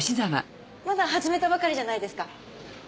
まだ始めたばかりじゃないですか？